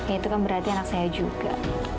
itu kan berarti anak saya juga